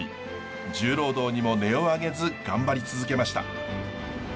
重労働にも音を上げず頑張り続けました。